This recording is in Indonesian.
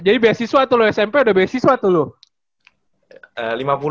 jadi beasiswa tuh lu smp udah beasiswa tuh lu